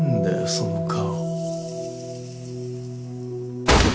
その顔。